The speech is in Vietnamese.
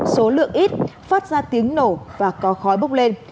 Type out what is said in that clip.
số lượng ít phát ra tiếng nổ và có khói bốc lên